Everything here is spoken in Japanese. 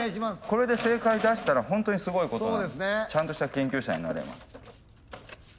これで正解出したらホントにすごいことなんでちゃんとした研究者になれます。